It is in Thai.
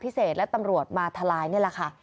พิเศษและตำรวจมาทลายนี่แหละค่ะ